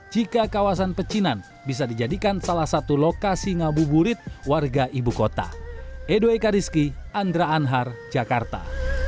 jika kawasan pecinan bisa dijadikan salah satu lokasi ngabuburit warga ibu kota